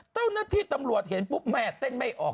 เจ้าหน้าที่ตำรวจเห็นปุ๊บแม่เต้นไม่ออก